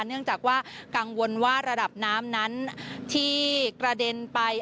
เนื่องจากว่ากังวลว่าระดับน้ำนั้นที่กระเด็นไป